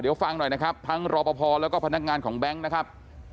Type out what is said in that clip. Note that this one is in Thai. เดี๋ยวฟังหน่อยนะครับทั้งรอปภแล้วก็พนักงานของแบงค์นะครับ